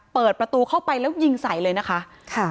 เปิดประตูเข้าไปแล้วยิงใส่เลยนะคะ